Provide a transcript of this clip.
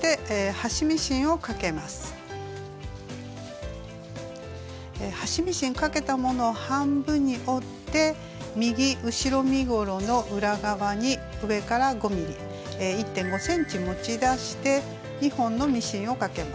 端ミシンかけたものを半分に折って右後ろ身ごろの裏側に上から５ｍｍ１．５ｃｍ持ち出して２本のミシンをかけます。